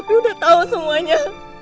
sopi udah tau semuanya